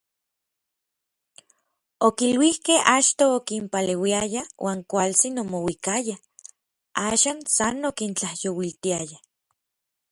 Okiluikej achto okinpaleuiaya uan kualtsin omouikayaj, Axan san okintlajyouiltiaya.